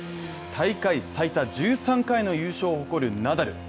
大会最多１３回の優勝を誇るナダル。